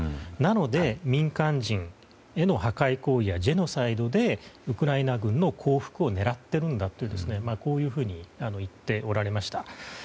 なので、民間人への破壊行為やジェノサイドでウクライナ軍の降伏を狙っているんだとこういうふうに言っておられました。